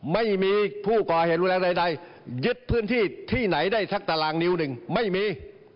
ไม่มีผู้ก่อเหตุรุนแรงใดยึดพื้นที่ที่ไหนได้สักตารางนิ้วหนึ่งไม่มี